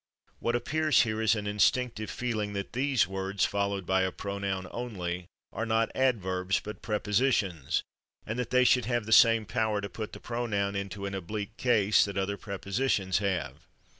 What appears here is an instinctive feeling that these words, followed by a pronoun only, are not adverbs, but prepositions, and that they should have the same power to put the pronoun into an oblique case that other prepositions have.